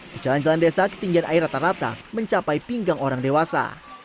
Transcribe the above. di jalan jalan desa ketinggian air rata rata mencapai pinggang orang dewasa